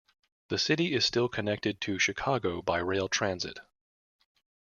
The city is still connected to Chicago by rail transit.